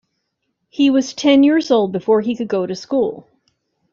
He was ten years old before he could go to school.